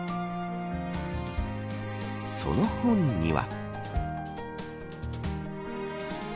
その本には。